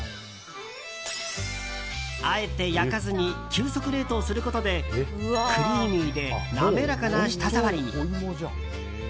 あえて焼かずに急速冷凍することでクリーミーで滑らかな舌触りに。